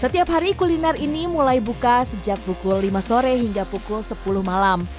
setiap hari kuliner ini mulai buka sejak pukul lima sore hingga pukul sepuluh malam